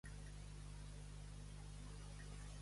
On va anar Cílix?